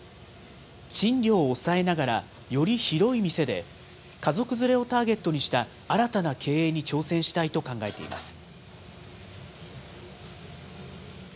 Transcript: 賃料を抑えながら、より広い店で家族連れをターゲットにした、新たな経営に挑戦したいと考えています。